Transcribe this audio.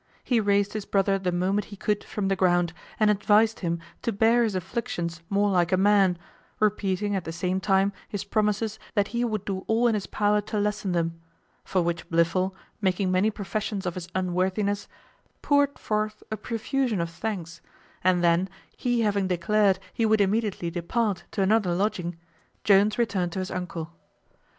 He raised his brother the moment he could from the ground, and advised him to bear his afflictions more like a man; repeating, at the same time, his promises, that he would do all in his power to lessen them; for which Blifil, making many professions of his unworthiness, poured forth a profusion of thanks; and then, he having declared he would immediately depart to another lodging, Jones returned to his uncle.